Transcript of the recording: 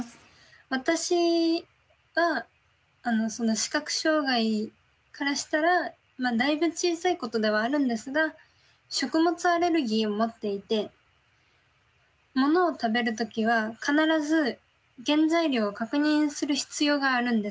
私はその視覚障害からしたらだいぶ小さいことではあるんですが食物アレルギーをもっていて物を食べる時は必ず原材料を確認する必要があるんです。